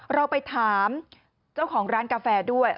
เราไปถามเจ้าของร้านกาแฟด้วย